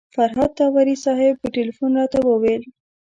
فرهاد داوري صاحب په تیلفون راته وویل.